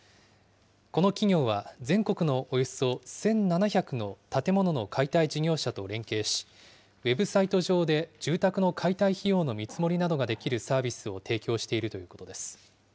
この企業は、全国のおよそ１７００の建物の解体事業者と連携し、ウェブサイト上で住宅の解体費用の見積もりなどができるサービスを提供しているということです。